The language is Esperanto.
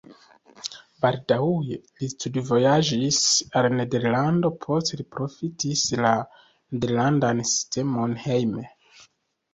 Baldaŭe li studvojaĝis al Nederlando, poste li profitis la nederlandan sistemon hejme.